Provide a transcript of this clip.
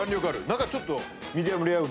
中ちょっと。